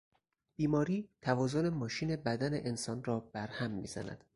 بیماری توازن ماشین بدن انسان را برهم میزند.